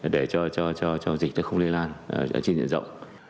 để cho dịch không lây lan trên diện rộng